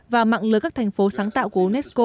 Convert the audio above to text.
và mạng lưới các thành phố sáng tạo của unesco